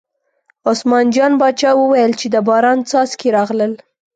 عثمان جان باچا وویل چې د باران څاڅکي راغلل.